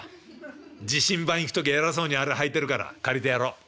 自身番行く時偉そうにあれはいてるから借りてやろ。